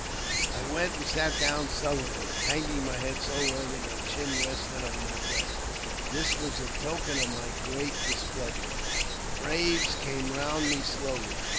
I went and sat down sullenly, hanging my head so lo that my chin rested upon my breast : this was a token of my great displeasure. The braves came round me slowly.